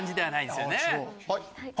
はい。